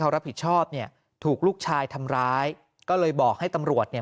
รับผิดชอบเนี่ยถูกลูกชายทำร้ายก็เลยบอกให้ตำรวจเนี่ย